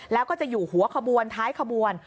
แล้วก็จะอยู่หัวขบวนท้ายขบวน